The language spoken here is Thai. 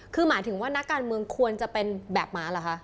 คือหมายถึงว่านักการเมืองควรจะเป็นแบบหมาเหรอคะ